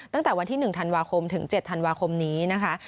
ตั้งแต่วันที่๑ธันวาคมถึง๗ธันวาคมนี้นะคะ